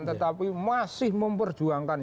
tetapi masih memperjuangkan